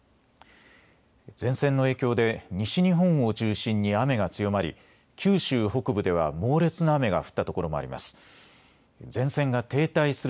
前線の影響で西日本を中心に雨が強まり九州北部では猛烈な雨が降ったところもあります。